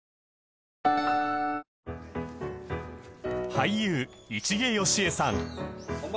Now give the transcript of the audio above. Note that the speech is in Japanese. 俳優市毛良枝さん